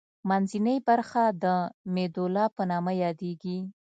منځنۍ برخه د میدولا په نامه یادیږي.